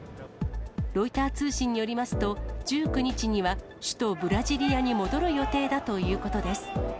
ロイター通信によりますと、１９日には首都ブラジリアに戻る予定だということです。